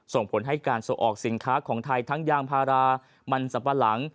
ส่งผลให้การส่งออกสินค้าของไทยทั้งยางพารามันสับปะหลัง